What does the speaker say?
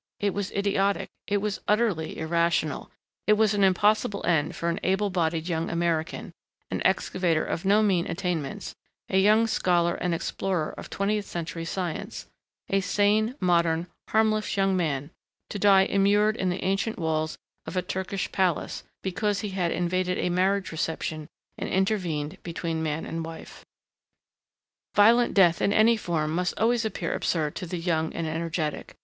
It was idiotic. It was utterly irrational. It was an impossible end for an able bodied young American, an excavator of no mean attainments, a young scholar and explorer of twentieth century science, a sane, modern, harmless young man, to die immured in the ancient walls of a Turkish palace because he had invaded a marriage reception and intervened between man and wife. Violent death in any form must always appear absurd to the young and energetic.